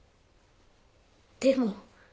でも。